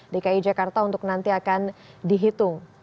dki jakarta untuk nanti akan dihitung